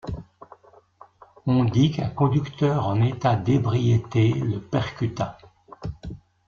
On dit qu'un conducteur en état d'ébriété le percuta.